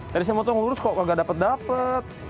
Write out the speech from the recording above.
tadi saya motong lurus kok nggak dapet dapet